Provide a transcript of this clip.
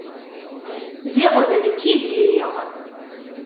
Ziɣ d nekk i diri.